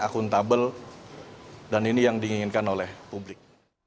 akuntabel dan ini yang diinginkan oleh publik